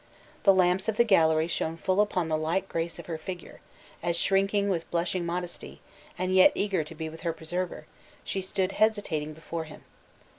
The lamps of the gallery shone full upon the light grace of her figure, as shrinking with blushing modesty, and yet eager to be with her preserver, she stood hesitating before him.